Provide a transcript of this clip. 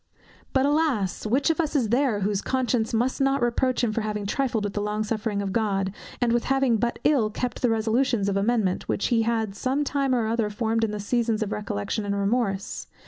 But, alas! which of us is there, whose conscience must not reproach him with having trifled with the long suffering of God, and with having but ill kept the resolutions of amendment, which he had some time or other formed in the seasons of recollection and remorse?